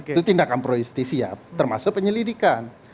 itu tindakan pro justisia termasuk penyelidikan